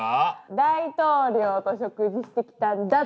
大統領と食事してきたんだ。